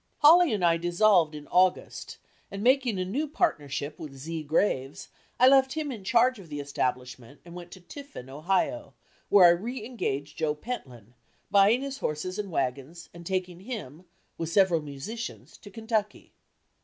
Hawley and I dissolved in August and making a new partnership with Z. Graves, I left him in charge of the establishment and went to Tiffin, Ohio, where I re engaged Joe Pentland, buying his horses and wagons and taking him, with several musicians, to Kentucky.